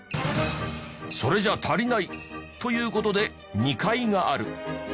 それじゃあ足りないという事で２階がある。